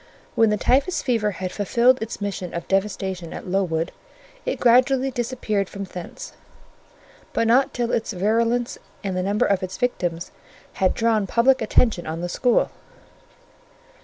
When the typhus fever had fulfilled its mission of devastation at Lowood, it gradually disappeared from thence; but not till its virulence and the number of its victims had drawn public attention on the school.